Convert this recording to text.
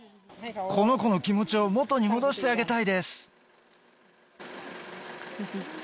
この子の気持ちを元に戻してあげたいです。